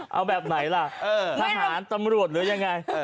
เอาแบบไหนล่ะทหารตำรวจหรือยังไง